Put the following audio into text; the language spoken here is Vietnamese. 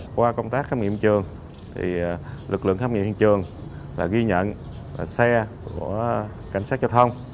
qua công tác khám nghiệm trường lực lượng khám nghiệm trường ghi nhận xe của cảnh sát giao thông